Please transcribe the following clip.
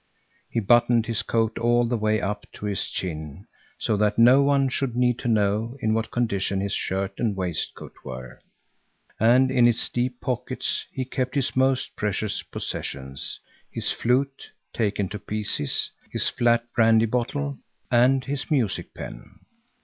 He buttoned his coat all the way up to his chin, so that no one should need to know in what condition his shirt and waistcoat were, and in its deep pockets he kept his most precious possessions: his flute taken to pieces, his flat brandy bottle and his music pen.